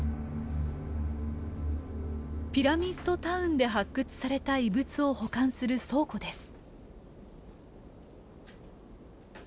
ピラミッド・タウンで発掘された遺物を保管する倉庫です。